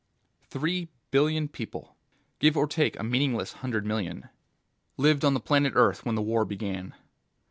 Three billion people (give or take a meaningless hundred million) lived on the planet Earth when the war began.